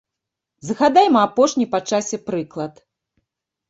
Згадайма апошні па часе прыклад.